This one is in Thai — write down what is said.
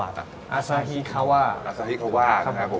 อันนี้โชยูละครับ